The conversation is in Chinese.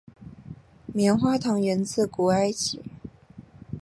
棉花糖源自古埃及。